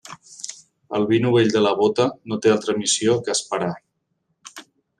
El vi novell de la bóta no té altra missió que esperar.